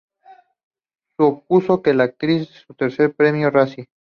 Supuso para la actriz su tercer premio "Razzie".